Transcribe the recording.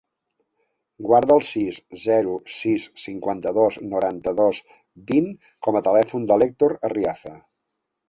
Guarda el sis, zero, sis, cinquanta-dos, noranta-dos, vint com a telèfon de l'Hèctor Arriaza.